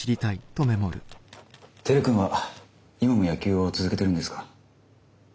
輝君は今も野球を続けてるんですか？